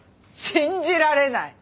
信じられない！